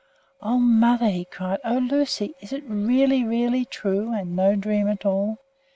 "O mother!" he cried. "O Lucy! Is it really, really true, and no dream at all?